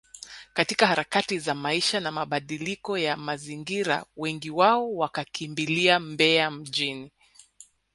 katika harakati za maisha na mabadiliko ya mazingira wengi wao wakakimbilia Mbeya mjini